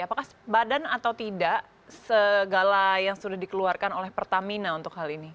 apakah badan atau tidak segala yang sudah dikeluarkan oleh pertamina untuk hal ini